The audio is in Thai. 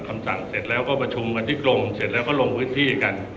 คำสั่งเสร็จแล้วก็ประชุมกันที่กรมเสร็จแล้วก็ลงพื้นที่กัน